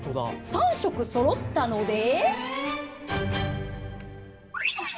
３色そろったので。